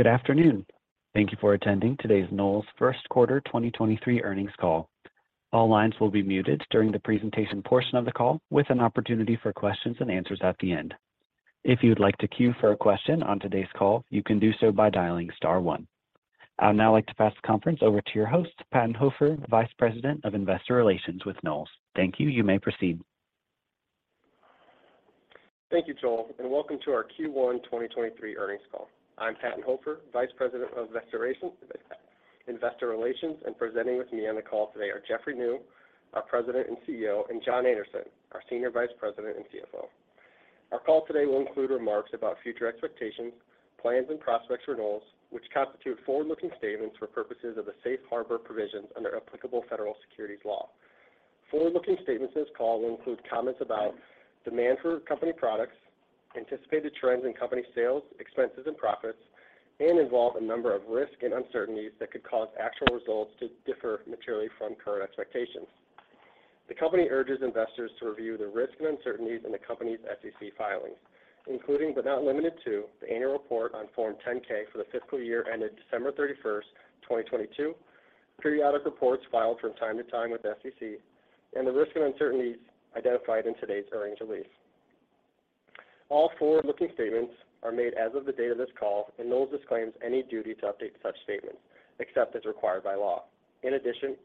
Good afternoon. Thank you for attending today's Knowles first quarter 2023 earnings call. All lines will be muted during the presentation portion of the call with an opportunity for questions and answers at the end. If you would like to queue for a question on today's call, you can do so by dialing star one. I'd now like to pass the conference over to your host, Patton Hofer, the Vice President of Investor Relations with Knowles. Thank you. You may proceed. Thank you, Joel. Welcome to our first quarter 2023 earnings call. I'm Patton Hofer, Vice President of Investor Relations. Presenting with me on the call today are Jeffrey Niew, our President and CEO, and John Anderson, our Senior Vice President and CFO. Our call today will include remarks about future expectations, plans, and prospects for Knowles, which constitute forward-looking statements for purposes of the safe harbor provisions under applicable federal securities law. Forward-looking statements in this call will include comments about demand for company products, anticipated trends in company sales, expenses and profits, involve a number of risks and uncertainties that could cause actual results to differ materially from current expectations. The company urges investors to review the risks and uncertainties in the company's SEC filings, including but not limited to, the annual report on Form 10-K for the fiscal year ended 31 December 2022, periodic reports filed from time to time with SEC, and the risks and uncertainties identified in today's earnings release. All forward-looking statements are made as of the date of this call, and Knowles disclaims any duty to update such statements except as required by law. In addition,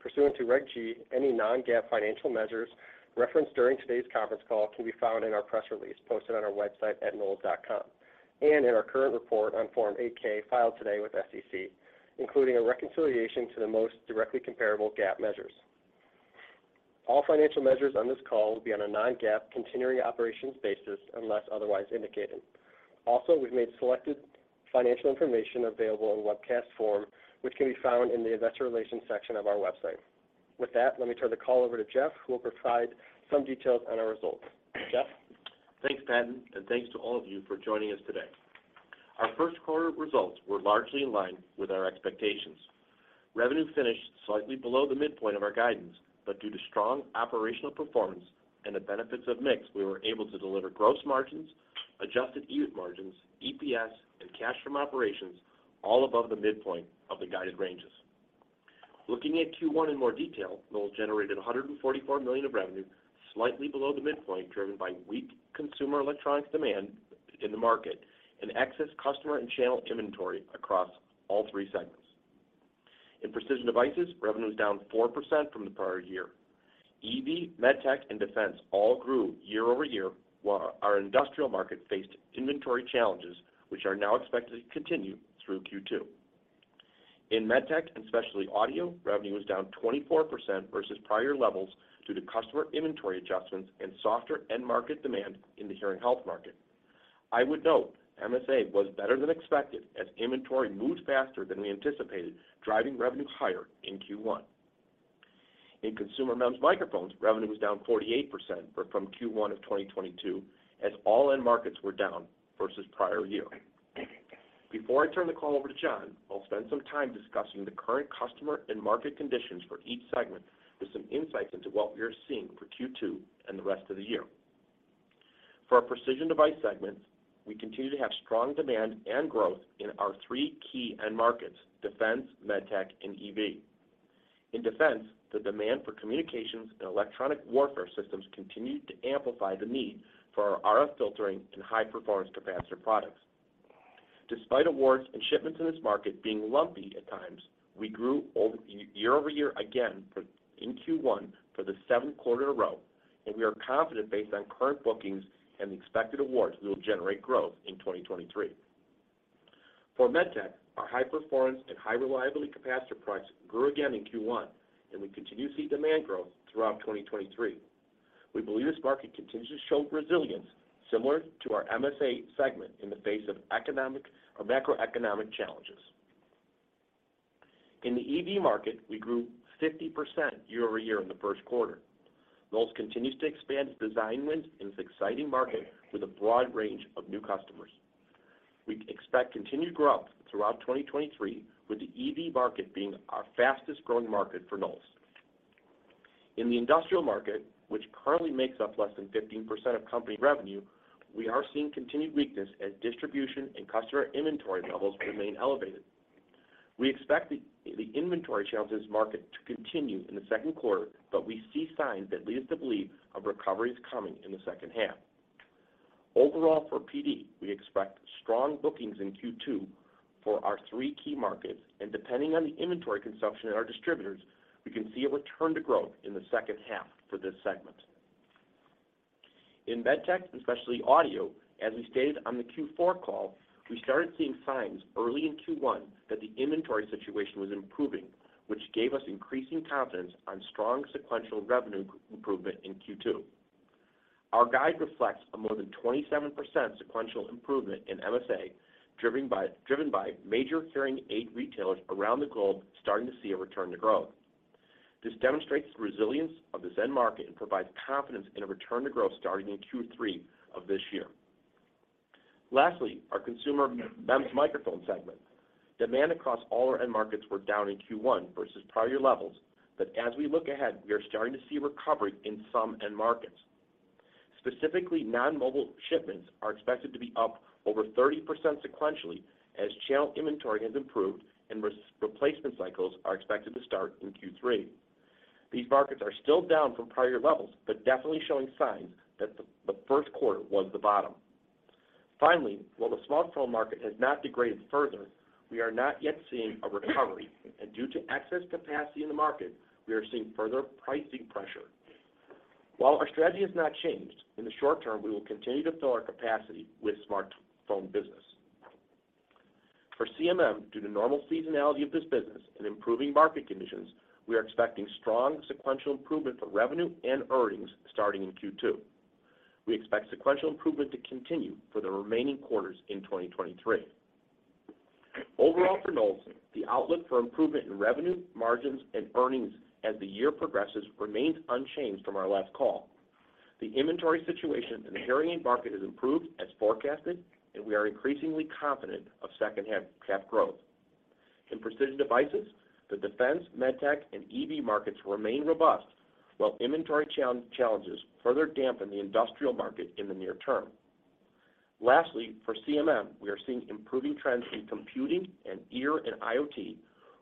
pursuant to Regulation G, any non-GAAP financial measures referenced during today's conference call can be found in our press release posted on our website at knowles.com and in our current report on Form 8-K filed today with SEC, including a reconciliation to the most directly comparable GAAP measures. All financial measures on this call will be on a non-GAAP continuing operations basis unless otherwise indicated. Also, we've made selected financial information available in webcast form, which can be found in the investor relations section of our website. With that, let me turn the call over to Jeff, who will provide some details on our results. Jeff. Thanks, Patton Hofer, and thanks to all of you for joining us today. Our first quarter results were largely in line with our expectations. Due to strong operational performance and the benefits of mix, we were able to deliver gross margins, adjusted EBIT margins, EPS, and cash from operations all above the midpoint of the guided ranges. Looking at first quarter in more detail, Knowles generated $144 million of revenue, slightly below the midpoint, driven by weak consumer electronics demand in the market and excess customer and channel inventory across all three segments. In Precision Devices, revenue was down 4% from the prior year. EV, MedTech, and Defense all grew year-over-year, while our industrial market faced inventory challenges, which are now expected to continue through second quarter. In MedTech and Specialty Audio, revenue was down 24% versus prior levels due to customer inventory adjustments and softer end market demand in the hearing health market. I would note MSA was better than expected as inventory moved faster than we anticipated, driving revenue higher in first quarter. In Consumer MEMS Microphones, revenue was down 48% from first quarter of 2022, as all end markets were down versus prior year. Before I turn the call over to John, I'll spend some time discussing the current customer and market conditions for each segment with some insights into what we are seeing for second quarter and the rest of the year. For our Precision Device segments, we continue to have strong demand and growth in our three key end markets, Defense, MedTech, and EV. In Defense, the demand for communications and electronic warfare systems continued to amplify the need for our RF filtering and high-performance capacitor products. Despite awards and shipments in this market being lumpy at times, we grew year-over-year again in first quarter for the seventh quarter in a row. We are confident based on current bookings and the expected awards we will generate growth in 2023. For MedTech, our high-performance and high-reliability capacitor products grew again in first quarter. We continue to see demand growth throughout 2023. We believe this market continues to show resilience similar to our MSA segment in the face of economic or macroeconomic challenges. In the EV market, we grew 50% year-over-year in the first quarter. Knowles continues to expand its design wins in this exciting market with a broad range of new customers. We expect continued growth throughout 2023, with the EV market being our fastest-growing market for Knowles. In the industrial market, which currently makes up less than 15% of company revenue, we are seeing continued weakness as distribution and customer inventory levels remain elevated. We expect the inventory challenges market to continue in the second quarter, but we see signs that lead us to believe a recovery is coming in the second half. Overall for PD, we expect strong bookings in second quarter for our three key markets, and depending on the inventory consumption at our distributors, we can see a return to growth in the second half for this segment. In MedTech, and Specialty Audio, as we stated on the fourth quarter call, we started seeing signs early in first quarter that the inventory situation was improving, which gave us increasing confidence on strong sequential revenue improvement in second quarter. Our guide reflects a more than 27% sequential improvement in MSA, driven by major hearing aid retailers around the globe starting to see a return to growth. This demonstrates the resilience of this end market and provides confidence in a return to growth starting in third quarter of this year. Lastly, our Consumer MEMS Microphones segment. Demand across all our end markets were down in first quarter versus prior levels, as we look ahead, we are starting to see recovery in some end markets. Specifically, non-mobile shipments are expected to be up over 30% sequentially as channel inventory has improved and replacement cycles are expected to start in third quarter. These markets are still down from prior levels, definitely showing signs that the first quarter was the bottom. Finally, while the smartphone market has not degraded further, we are not yet seeing a recovery. Due to excess capacity in the market, we are seeing further pricing pressure. While our strategy has not changed, in the short term, we will continue to fill our capacity with smartphone business. For CMM, due to normal seasonality of this business and improving market conditions, we are expecting strong sequential improvement for revenue and earnings starting in second quarter. We expect sequential improvement to continue for the remaining quarters in 2023. Overall, for Knowles, the outlook for improvement in revenue, margins, and earnings as the year progresses remains unchanged from our last call. The inventory situation in the hearing aid market has improved as forecasted, and we are increasingly confident of second half growth. In Precision Devices, the defense, MedTech, and EV markets remain robust, while inventory challenges further dampen the industrial market in the near term. Lastly, for CMM, we are seeing improving trends in computing and ear and IoT,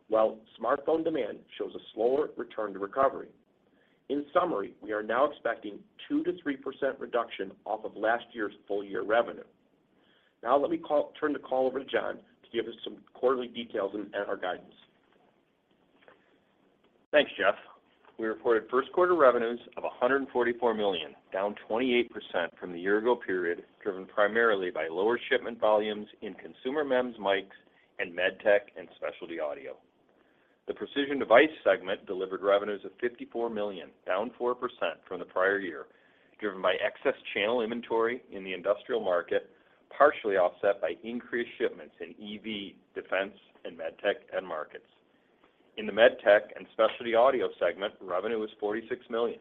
while smartphone demand shows a slower return to recovery. In summary, we are now expecting 2% to 3% reduction off of last year's full year revenue. Let me turn the call over to John to give us some quarterly details and our guidance. Thanks, Jeff. We reported first quarter revenues of $144 million, down 28% from the year-ago period, driven primarily by lower shipment volumes in Consumer MEMS mics and MedTech and Specialty Audio. The Precision Devices segment delivered revenues of $54 million, down 4% from the prior year, driven by excess channel inventory in the industrial market, partially offset by increased shipments in EV, defense, and MedTech end markets. In the MedTech and Specialty Audio segment, revenue was $46 million,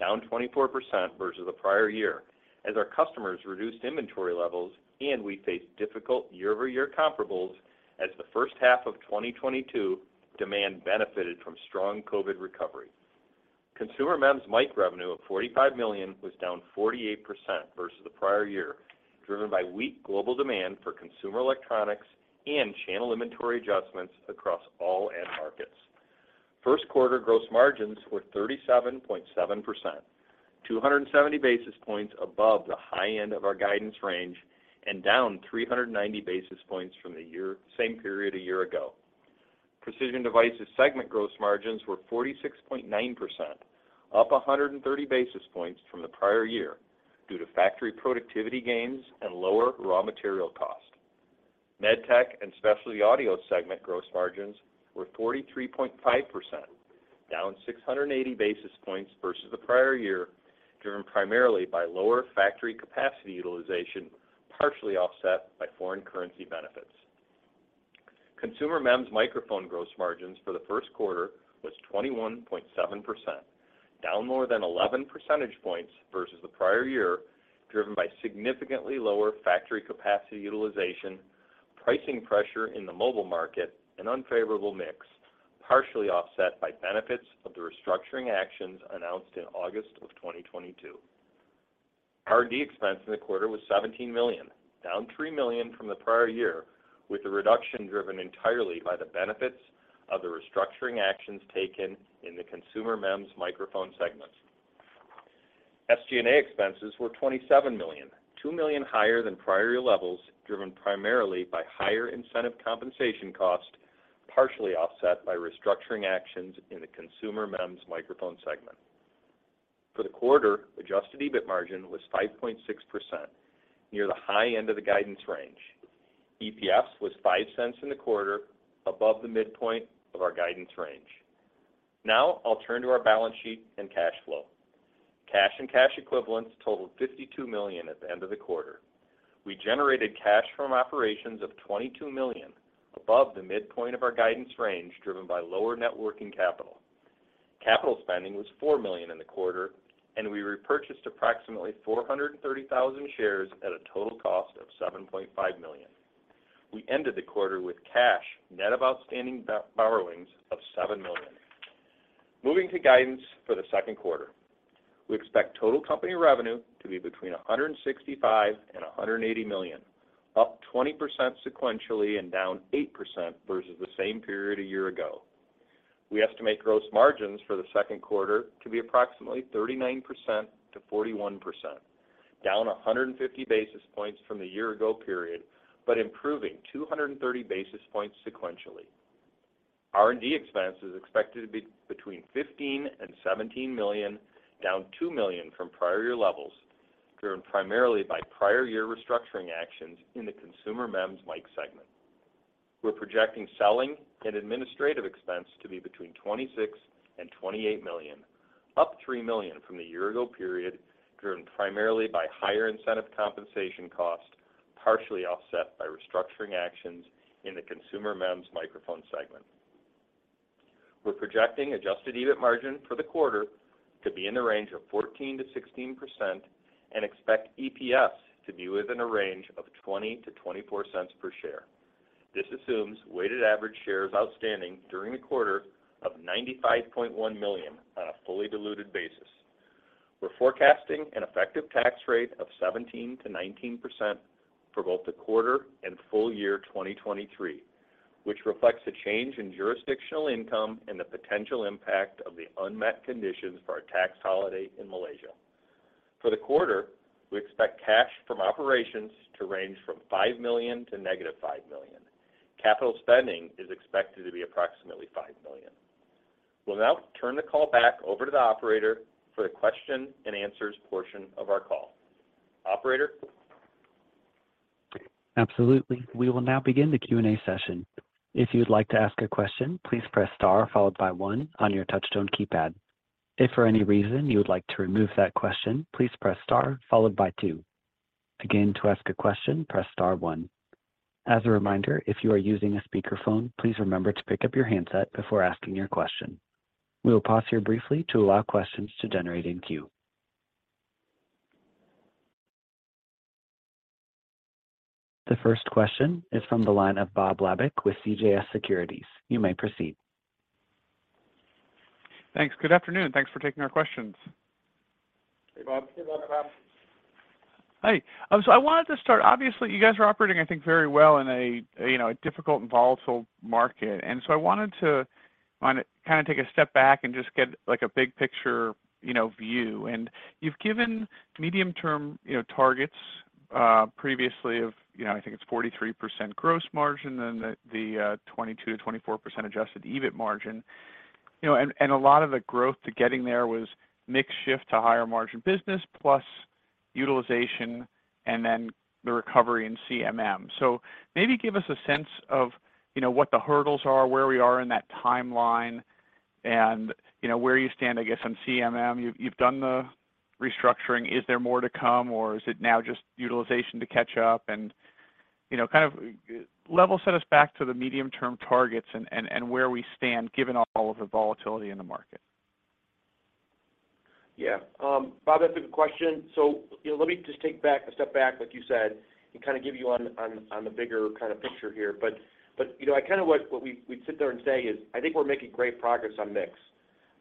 down 24% versus the prior year, as our customers reduced inventory levels, and we faced difficult year-over-year comparables as the first half of 2022 demand benefited from strong COVID recovery. Consumer MEMS mic revenue of $45 million was down 48% versus the prior year, driven by weak global demand for consumer electronics and channel inventory adjustments across all end markets. First quarter gross margins were 37.7%, 270 basis points above the high end of our guidance range, down 390 basis points from the same period a year ago. Precision Devices segment gross margins were 46.9%, up 130 basis points from the prior year due to factory productivity gains and lower raw material cost. MedTech and Specialty Audio segment gross margins were 43.5%, down 680 basis points versus the prior year, driven primarily by lower factory capacity utilization, partially offset by foreign currency benefits. Consumer MEMS Microphones gross margins for the first quarter was 21.7%, down more than 11 percentage points versus the prior year, driven by significantly lower factory capacity utilization, pricing pressure in the mobile market, and unfavorable mix, partially offset by benefits of the restructuring actions announced in August of 2022. R&D expense in the quarter was $17 million, down $3 million from the prior year, with the reduction driven entirely by the benefits of the restructuring actions taken in the Consumer MEMS Microphones segment. SG&A expenses were $27 million, $2 million higher than prior year levels, driven primarily by higher incentive compensation cost, partially offset by restructuring actions in the Consumer MEMS Microphones segment. For the quarter, adjusted EBIT margin was 5.6%, near the high end of the guidance range. EPS was $0.05 in the quarter, above the midpoint of our guidance range. Now, I'll turn to our balance sheet and cash flow. Cash and cash equivalents totaled $52 million at the end of the quarter. We generated cash from operations of $22 million, above the midpoint of our guidance range, driven by lower net working capital. Capital spending was $4 million in the quarter, and we repurchased approximately 430,000 shares at a total cost of $7.5 million. We ended the quarter with cash, net of outstanding borrowings, of $7 million. Moving to guidance for the second quarter. We expect total company revenue to be between $165 million and $180 million, up 20% sequentially and down 8% versus the same period a year ago. We estimate gross margins for the second quarter to be approximately 39% to 41%, down 150 basis points from the year ago period, but improving 230 basis points sequentially. R&D expense is expected to be between $15 to 17 million, down $2 million from prior year levels, driven primarily by prior year restructuring actions in the Consumer MEMS mic segment. We're projecting selling and administrative expense to be between $26 to 28 million, up $3 million from the year ago period, driven primarily by higher incentive compensation cost, partially offset by restructuring actions in the Consumer MEMS Microphones segment. We're projecting adjusted EBIT margin for the quarter to be in the range of 14% to 16% and expect EPS to be within a range of $0.20 to 0.24 per share. This assumes weighted average shares outstanding during the quarter of $95.1 million on a fully diluted basis. We're forecasting an effective tax rate of 17% to 19% for both the quarter and full year 2023, which reflects a change in jurisdictional income and the potential impact of the unmet conditions for our tax holiday in Malaysia. For the quarter, we expect cash from operations to range from $5 to -5 million. Capital spending is expected to be approximately $5 million. We'll now turn the call back over to the operator for the question and answers portion of our call. Operator? Absolutely. We will now begin the Q&A session. If you'd like to ask a question, please press star followed by one on your touchtone keypad. If for any reason you would like to remove that question, please press star followed by two. Again, to ask a question, press star one. As a reminder, if you are using a speakerphone, please remember to pick up your handset before asking your question. We will pause here briefly to allow questions to generate in queue. The first question is from the line of Bob Labick with CJS Securities. You may proceed. Thanks. Good afternoon. Thanks for taking our questions. Hey, Bob. Hey, Bob. Hi. I wanted to start, obviously, you guys are operating, I think, very well in a, you know, a difficult and volatile market. I wanted to kind of take a step back and just get like a big picture, you know, view. You've given medium-term, you know, targets, previously of, you know, I think it's 43% gross margin and the 22% to 24% adjusted EBIT margin. You know, a lot of the growth to getting there was mix shift to higher margin business plus utilization and then the recovery in CMM. Maybe give us a sense of, you know, what the hurdles are, where we are in that timeline and, you know, where you stand, I guess, on CMM. You've done the restructuring. Is there more to come or is it now just utilization to catch up and, you know, kind of level set us back to the medium-term targets and where we stand given all of the volatility in the market? Bob, that's a good question. You know, let me just take a step back, like you said, and kind of give you on the bigger kind of picture here. You know, I kind of what we sit there and say is, I think we're making great progress on mix.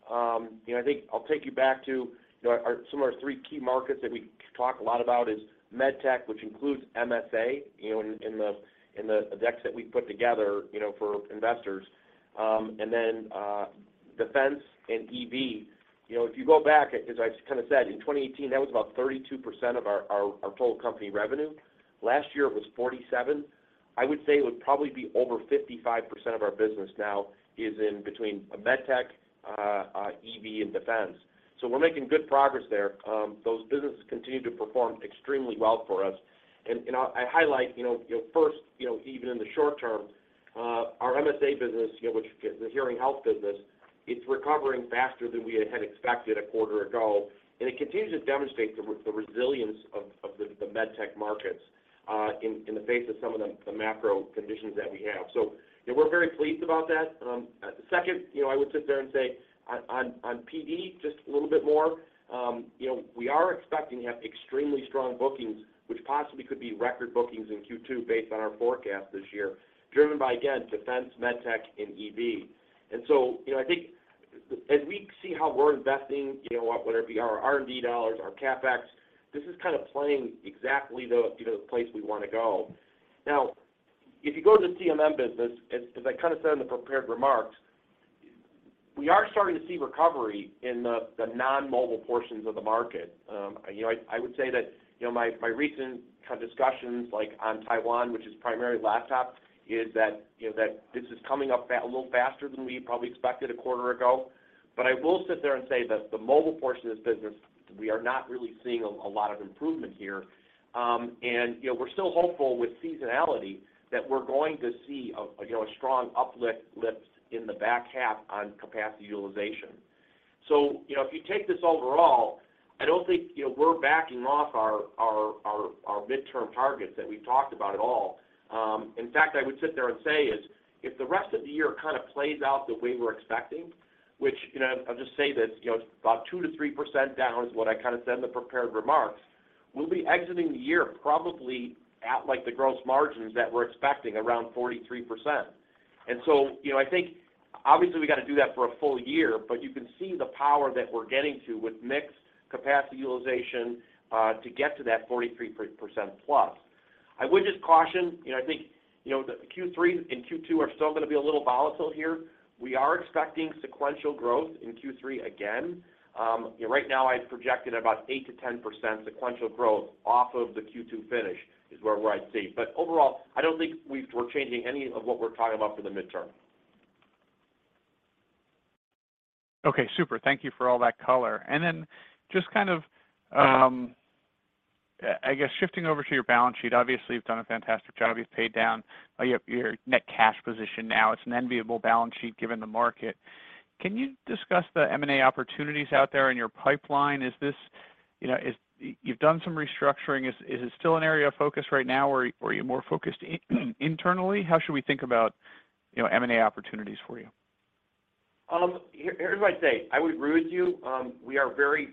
You know, I think I'll take you back to, you know, some of our three key markets that we talk a lot about is MedTech, which includes MSA, you know, in the decks that we put together, you know, for investors, defense and EV. You know, if you go back, as I kind of said, in 2018, that was about 32% of our total company revenue. Last year, it was 47%. I would say it would probably be over 55% of our business now is in between MedTech, EV, and defense. We're making good progress there. Those businesses continue to perform extremely well for us. I highlight, you know, first, you know, even in the short term, our MSA business, you know, which is the hearing health business, it's recovering faster than we had expected a quarter ago. It continues to demonstrate the resilience of the MedTech markets in the face of some of the macro conditions that we have. You know, we're very pleased about that. Second, you know, I would sit there and say on PD, just a little bit more, you know, we are expecting to have extremely strong bookings, which possibly could be record bookings in second quarter based on our forecast this year, driven by, again, defense, MedTech, and EV. You know, I think as we see how we're investing, you know, whether it be our R&D dollars, our CapEx, this is kind of playing exactly the, you know, the place we wanna go. Now, if you go to the CMM business, as I kind of said in the prepared remarks, we are starting to see recovery in the non-mobile portions of the market. You know, I would say that, you know, my recent kind of discussions like on Taiwan, which is primarily laptop, is that, you know, that this is coming up a little faster than we probably expected a quarter ago. I will sit there and say that the mobile portion of this business, we are not really seeing a lot of improvement here. You know, we're still hopeful with seasonality that we're going to see a strong uplift in the back half on capacity utilization. You know, if you take this overall, I don't think, you know, we're backing off our midterm targets that we've talked about at all. In fact, I would sit there and say is if the rest of the year kind of plays out the way we're expecting, which, you know, I'll just say that, you know, it's about 2% to 3% down is what I kind of said in the prepared remarks. We'll be exiting the year probably at, like the gross margins that we're expecting, around 43%. You know, I think obviously we got to do that for a full year, but you can see the power that we're getting to with mix capacity utilization, to get to that 43% plus. I would just caution, you know, I think, you know, the third quarter and second quarter are still gonna be a little volatile here. We are expecting sequential growth in third quarter again. You know, right now I've projected about 8% to 10% sequential growth off of the second quarter finish is where I'd see. Overall, I don't think we're changing any of what we're talking about for the midterm. Okay, super. Thank you for all that color. Just kind of, I guess shifting over to your balance sheet. Obviously, you've done a fantastic job. You've paid down your net cash position now. It's an enviable balance sheet given the market. Can you discuss the M&A opportunities out there in your pipeline? Is this, you know, you've done some restructuring. Is it still an area of focus right now, or are you more focused internally? How should we think about, you know, M&A opportunities for you? Here's what I'd say. I would agree with you. We are very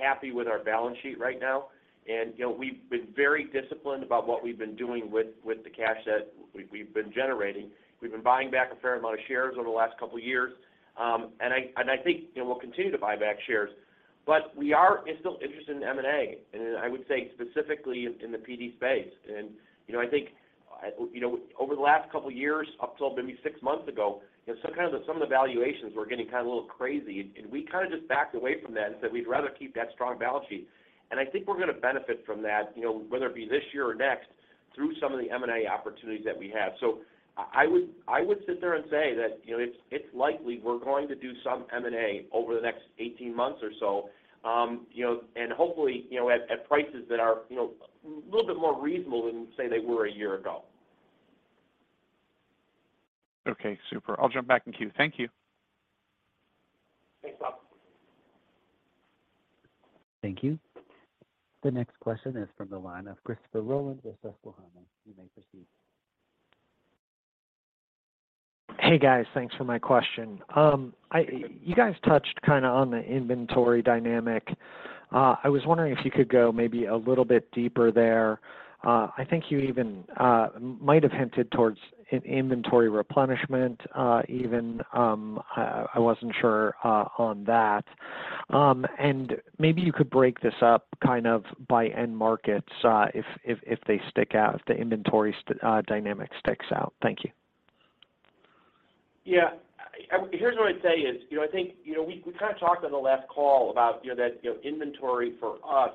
happy with our balance sheet right now, and, you know, we've been very disciplined about what we've been doing with the cash that we've been generating. We've been buying back a fair amount of shares over the last couple of years. I think, you know, we'll continue to buy back shares. We are still interested in M&A, and I would say specifically in the PD space. You know, I think, you know, over the last couple of years up till maybe six months ago, you know, some of the valuations were getting kind of a little crazy, and we kind of just backed away from that and said, we'd rather keep that strong balance sheet. I think we're gonna benefit from that, you know, whether it be this year or next, through some of the M&A opportunities that we have. I would sit there and say that, you know, it's likely we're going to do some M&A over the next 18 months or so, you know, and hopefully, you know, at prices that are, you know, a little bit more reasonable than, say, they were a year ago. Okay, super. I'll jump back in queue. Thank you. Thanks, Tom. Thank you. The next question is from the line of Christopher Rolland with Susquehanna. You may proceed. Hey, guys. Thanks for my question. You guys touched kind of on the inventory dynamic. I was wondering if you could go maybe a little bit deeper there. I think you even might have hinted towards inventory replenishment, even I wasn't sure on that. Maybe you could break this up kind of by end markets, if they stick out, if the inventory dynamic sticks out. Thank you. Yeah. Here's what I'd say is, you know, I think, you know, we kinda talked on the last call about, you know, that, you know, inventory for us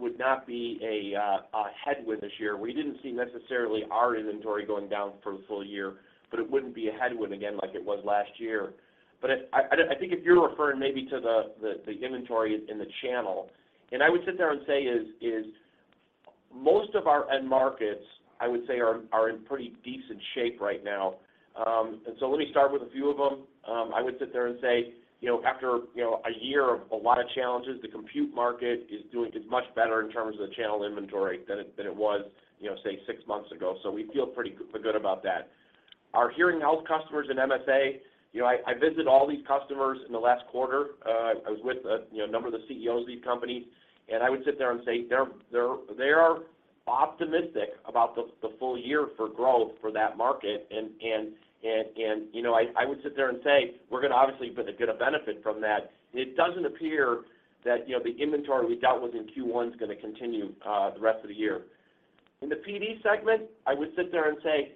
would not be a headwind this year. We didn't see necessarily our inventory going down for the full year, but it wouldn't be a headwind again like it was last year. I think if you're referring maybe to the inventory in the channel, I would sit there and say is most of our end markets, I would say, are in pretty decent shape right now. Let me start with a few of them. I would sit there and say, you know, after, you know, a year of a lot of challenges, the compute market is much better in terms of the channel inventory than it was, you know, say, six months ago. We feel pretty good about that. Our hearing health customers in MSA, you know, I visited all these customers in the last quarter. I was with, you know, a number of the CEOs of these companies, and I would sit there and say they are optimistic about the full year for growth for that market. You know, I would sit there and say, we're gonna obviously get a benefit from that. It doesn't appear that, you know, the inventory we dealt with in first quarter is gonna continue the rest of the year. In the PD segment, I would sit there and say,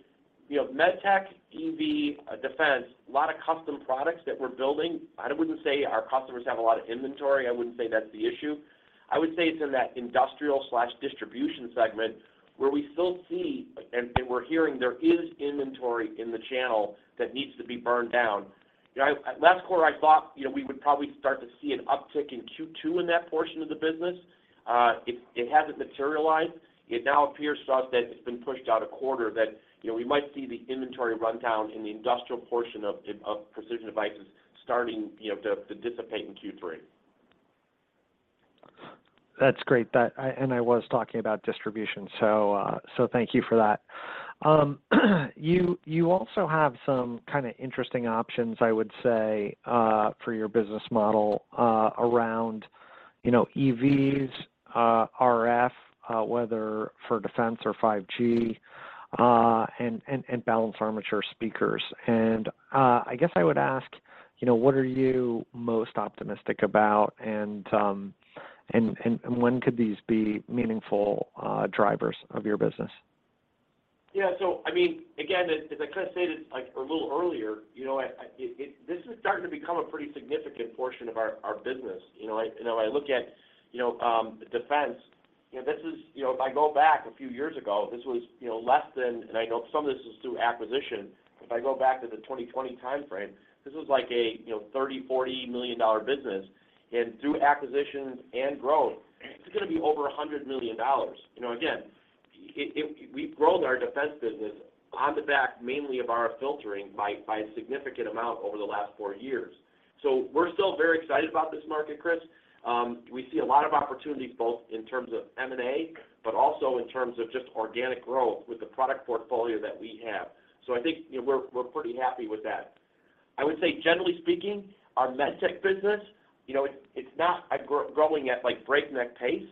you know, MedTech, EV, defense, a lot of custom products that we're building. I wouldn't say our customers have a lot of inventory. I wouldn't say that's the issue. I would say it's in that industrial/distribution segment where we still see, and we're hearing there is inventory in the channel that needs to be burned down. You know, last quarter I thought, you know, we would probably start to see an uptick in second quarter in that portion of the business. It hasn't materialized. It now appears to us that it's been pushed out a quarter, that, you know, we might see the inventory run down in the industrial portion of Precision Devices starting, you know, to dissipate in third quarter. That's great. I was talking about distribution, so thank you for that. You, you also have some kind of interesting options, I would say, for your business model, around, you know, EVs, RF, whether for defense or 5G, and balanced armature speakers. I guess I would ask, you know, what are you most optimistic about and, when could these be meaningful, drivers of your business? Yeah. I mean, again, as I kind of stated like a little earlier, you know, this is starting to become a pretty significant portion of our business. You know, I, you know, I look at, you know, defense, you know, this is... You know, if I go back a few years ago, this was, you know, less than, and I know some of this is through acquisition. If I go back to the 2020 timeframe, this was like a, you know, $30 to 40 million business. Through acquisitions and growth, it's gonna be over $100 million. You know, again, we've grown our defense business on the back mainly of our filtering by a significant amount over the last four years. We're still very excited about this market, Chris. We see a lot of opportunities both in terms of M&A, but also in terms of just organic growth with the product portfolio that we have. I think, you know, we're pretty happy with that. I would say generally speaking, our MedTech business, you know, it's not growing at like breakneck pace,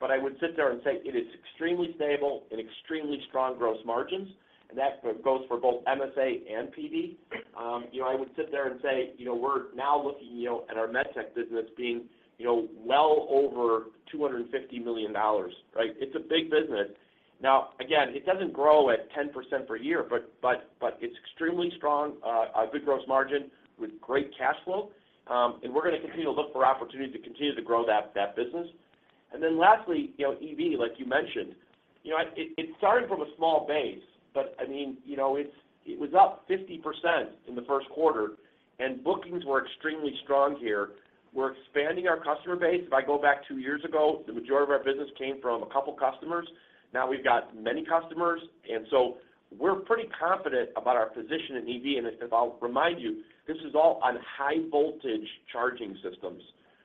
but I would sit there and say it is extremely stable and extremely strong gross margins, and that goes for both MSA and PD. You know, I would sit there and say, you know, we're now looking, you know, at our MedTech business being, you know, well over $250 million, right? It's a big business. Now, again, it doesn't grow at 10% per year, but it's extremely strong, a good gross margin with great cash flow. We're gonna continue to look for opportunities to continue to grow that business. Lastly, you know, EV, like you mentioned, you know, it started from a small base, but I mean, you know, it was up 50% in the first quarter, bookings were extremely strong here. We're expanding our customer base. If I go back two years ago, the majority of our business came from a couple customers. Now we've got many customers, we're pretty confident about our position in EV. If I'll remind you, this is all on high voltage charging systems.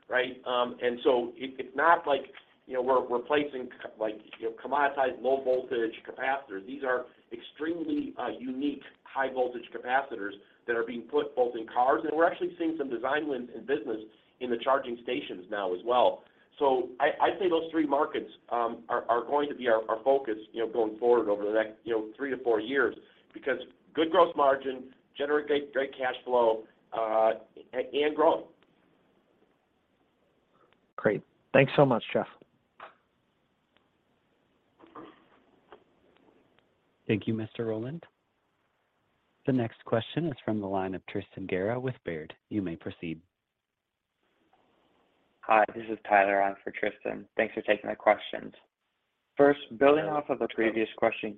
Right? It's not like, you know, we're replacing like, you know, commoditized low voltage capacitors. These are extremely unique high voltage capacitors that are being put both in cars, and we're actually seeing some design wins in business in the charging stations now as well. I say those three markets are going to be our focus, you know, going forward over the next, you know, three to four years because good gross margin, generate great cash flow and growing. Great. Thanks so much, Jeff. Thank you, Mr. Rolland. The next question is from the line of Tristan Gerra with Baird. You may proceed. Hi, this is Tyler in for Tristan. Thanks for taking my questions. First, building off of a previous question,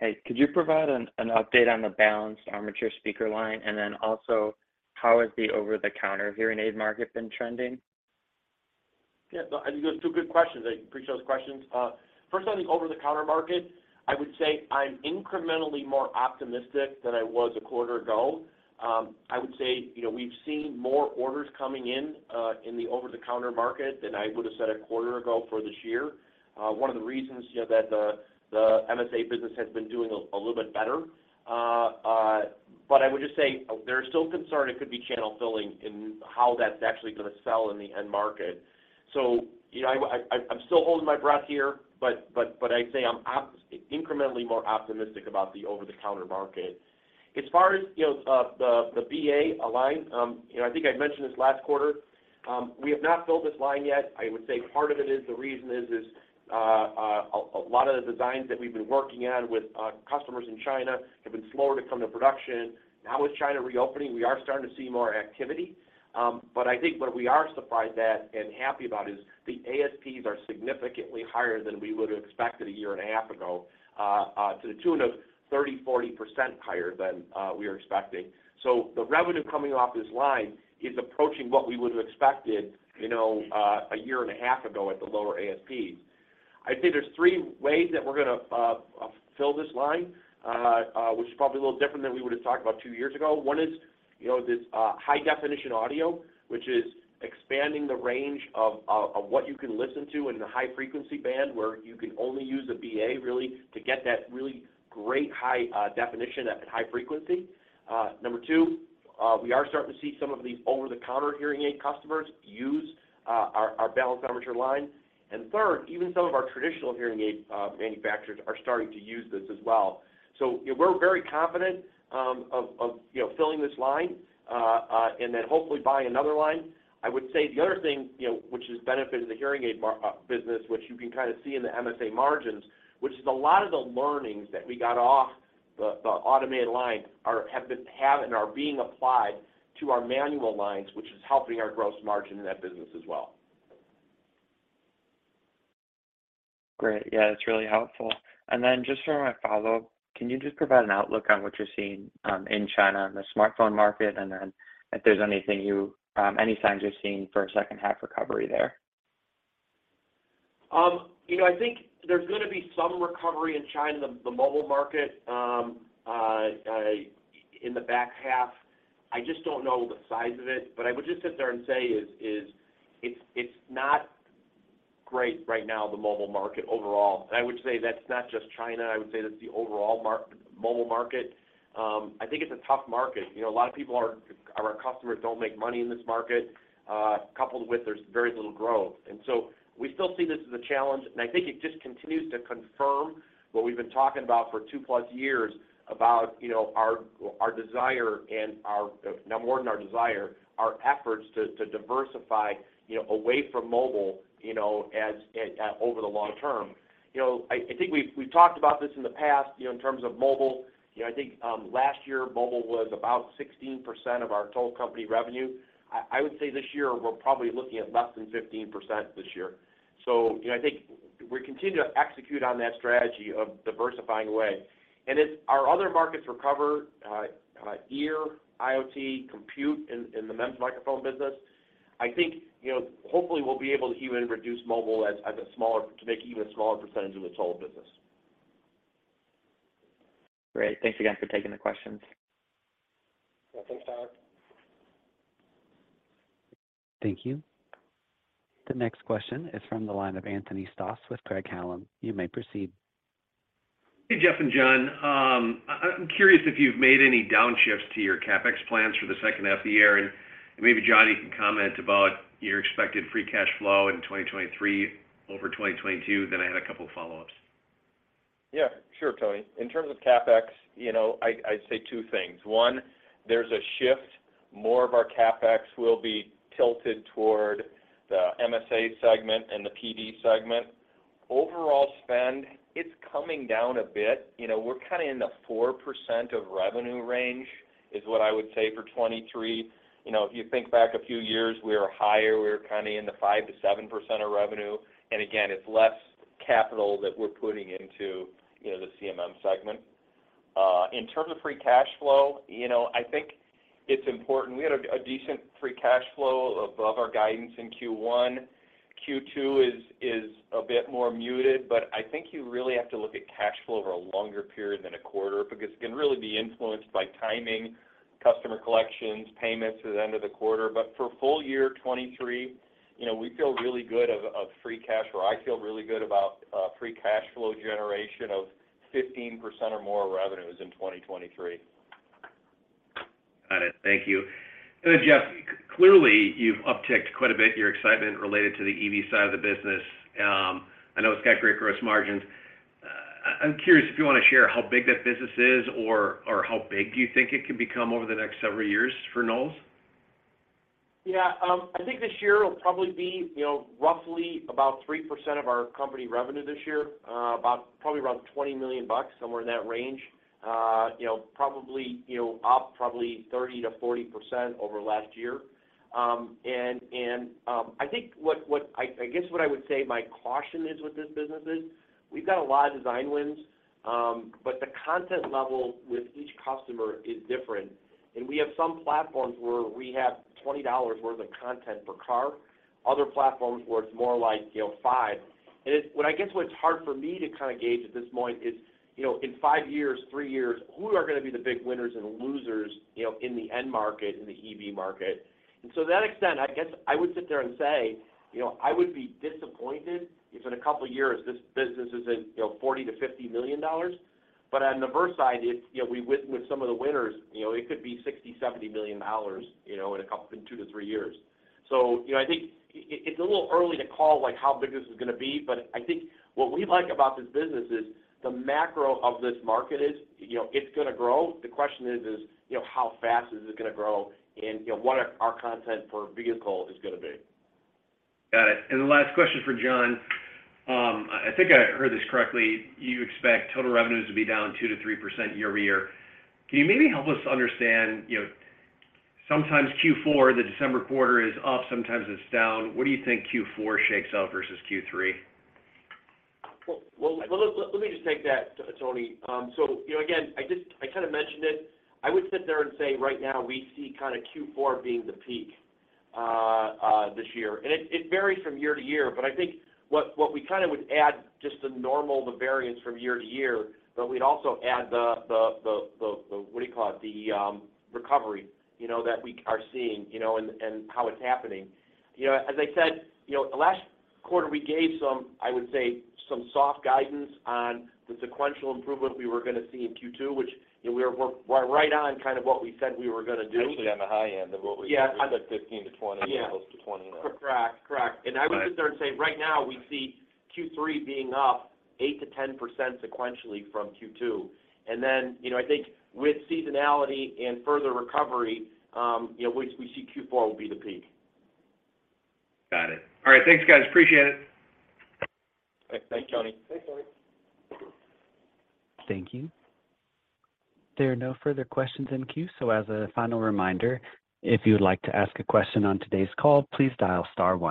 hey, could you provide an update on the balanced armature speaker line, and then also how has the over-the-counter hearing aid market been trending? Yeah. No, I think those are two good questions. I appreciate those questions. First on the over-the-counter market, I would say I'm incrementally more optimistic than I was a quarter ago. I would say, you know, we've seen more orders coming in the over-the-counter market than I would've said a quarter ago for this year. One of the reasons, you know, that the MSA business has been doing a little bit better. I would just say they're still concerned it could be channel filling and how that's actually gonna sell in the end market. You know, I'm still holding my breath here, but I say I'm incrementally more optimistic about the over-the-counter market. As far as, you know, the BA line, you know, I think I mentioned this last quarter. We have not filled this line yet. I would say part of it is the reason is a lot of the designs that we've been working on with customers in China have been slower to come to production. Now with China reopening, we are starting to see more activity. But I think what we are surprised at and happy about is the ASPs are significantly higher than we would've expected a year and a half ago, to the tune of 30% to 40% higher than we were expecting. The revenue coming off this line is approaching what we would've expected, you know, a year and a half ago at the lower ASPs. I'd say there's three ways that we're gonna fill this line, which is probably a little different than we would've talked about two years ago. One is, you know, this high-definition audio, which is expanding the range of what you can listen to in the high frequency band, where you can only use a BA really to get that really great high definition at high frequency. Number two, we are starting to see some of these over-the-counter hearing aid customers use our balanced armature line. Third, even some of our traditional hearing aid manufacturers are starting to use this as well. You know, we're very confident, of, you know, filling this line, and then hopefully buying another line. I would say the other thing, you know, which has benefited the hearing aid business, which you can kind of see in the MSA margins, which is a lot of the learnings that we got off the automated lines have and are being applied to our manual lines, which is helping our gross margin in that business as well. Great. Yeah, that's really helpful. Then just for my follow-up, can you just provide an outlook on what you're seeing in China in the smartphone market, and then if there's anything you any signs you're seeing for a second half recovery there? You know, I think there's gonna be some recovery in China, the mobile market in the back half. I just don't know the size of it. I would just sit there and say is it's not great right now, the mobile market overall. I would say that's not just China, I would say that's the overall mobile market. I think it's a tough market. You know, our customers don't make money in this market, coupled with there's very little growth. We still see this as a challenge, and I think it just continues to confirm what we've been talking about for two-plus years about, you know, our desire and our, now more than our desire, our efforts to diversify, you know, away from mobile, you know, as over the long term. You know, I think we've talked about this in the past, you know, in terms of mobile. You know, I think last year mobile was about 16% of our total company revenue. I would say this year we're probably looking at less than 15% this year. You know, I think we continue to execute on that strategy of diversifying away. As our other markets recover, ear, IoT, compute in the MEMS microphone business, I think, you know, hopefully we'll be able to even reduce mobile as a smaller, to make an even smaller percentage of the total business. Great. Thanks again for taking the questions. Yeah. Thanks, Tyler. Thank you. The next question is from the line of Anthony Stoss with Craig-Hallum. You may proceed. Hey, Jeff and John. I'm curious if you've made any downshifts to your CapEx plans for the second half of the year. Maybe John, you can comment about your expected free cash flow in 2023 over 2022. I had a couple of follow-ups. Yeah, sure, Tony. In terms of CapEx, you know, I'd say two things. One, there's a shift. More of our CapEx will be tilted toward the MSA segment and the PD segment. Overall spend, it's coming down a bit. You know, we're kind of in the 4% of revenue range is what I would say for 2023. You know, if you think back a few years, we were higher, we were kind of in the 5% to 7% of revenue. Again, it's less capital that we're putting into, you know, the CMM segment. In terms of free cash flow, you know, I think it's important. We had a decent free cash flow above our guidance in first quarter. second quarter is a bit more muted, but I think you really have to look at cash flow over a longer period than a quarter because it can really be influenced by timing, customer collections, payments to the end of the quarter. For full year 2023, you know, we feel really good of free cash flow. I feel really good about free cash flow generation of 15% or more revenues in 2023. Got it. Thank you. Jeff, clearly, you've upticked quite a bit your excitement related to the EV side of the business. I know it's got great gross margins. I'm curious if you wanna share how big that business is or how big do you think it can become over the next several years for Knowles? Yeah. I think this year it'll probably be, you know, roughly about 3% of our company revenue this year, probably around $20 million, somewhere in that range. You know, probably, you know, up probably 30% to 40% over last year. I think what I guess what I would say my caution is with this business is, we've got a lot of design wins, the content level with each customer is different. We have some platforms where we have $20 worth of content per car, other platforms where it's more like, you know, $5. What I guess, what's hard for me to kinda gauge at this point is, you know, in five years, three years, who are gonna be the big winners and losers, you know, in the end market, in the EV market. To that extent, I guess I would sit there and say, you know, I would be disappointed if in a couple of years this business isn't, you know, $40 to 50 million. On the verse side, if, you know, we win with some of the winners, you know, it could be $60 million, $70 million, you know, in two to three years. You know, I think it's a little early to call, like how big this is gonna be, but I think what we like about this business is the macro of this market is, you know, it's gonna grow. The question is, you know, how fast is it gonna grow and, you know, what are our content per vehicle is gonna be. Got it. The last question for John. I think I heard this correctly. You expect total revenues to be down 2% to 3% year-over-year. Can you maybe help us understand, you know, sometimes fourth quarter, the December quarter is up, sometimes it's down. What do you think fourth quarter shakes out versus third quarter? Well, let me just take that, Tony. So, you know, again, I kinda mentioned it. I would sit there and say right now we see kinda fourth quarter being the peak this year. It, it varies from year to year. I think what we kinda would add just the normal, the variance from year to year, but we'd also add the, what do you call it? The recovery, you know, that we are seeing, you know, and how it's happening. You know, as I said, you know, last quarter, we gave some, I would say, some soft guidance on the sequential improvement we were gonna see in second quarter, which, you know, we're right on kind of what we said we were gonna do... Actually, on the high end of what we... Yeah. We said 15% to 20%... Yeah. Close to 20% now. Correct. All right. I would sit there and say right now we see third quarter being up 8% to 10% sequentially from second quarter. You know, I think with seasonality and further recovery, you know, we see fourth quarter will be the peak. Got it. All right. Thanks, guys. Appreciate it. Thanks, Tony. Thanks, Tony. Thank you. There are no further questions in queue. As a final reminder, if you would like to ask a question on today's call, please dial star one.